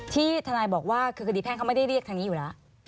ที่ทนายบอกว่าคือคดีแพ่งเขาไม่ได้เรียกทางนี้อยู่แล้ว